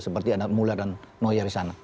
seperti ada mulla dan noya di sana